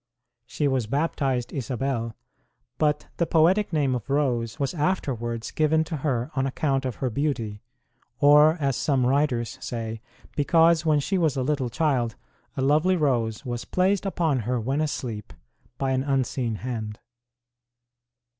She was baptized Isabel, but the poetic name of Rose was afterwards given to her on account of her beauty, or, as some writers say, because when she was a little child a lovely rose was placed upon her when asleep by an unseen hand.